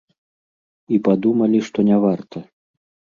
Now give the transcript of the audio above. І падумалі, што не варта.